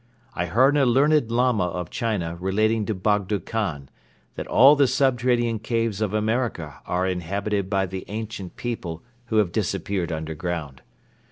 I heard a learned Lama of China relating to Bogdo Khan that all the subterranean caves of America are inhabited by the ancient people who have disappeared underground.